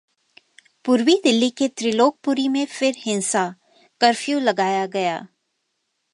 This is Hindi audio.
पूर्वी दिल्ली के त्रिलोकपुरी में फिर हिंसा, कर्फ्यू लगाया गया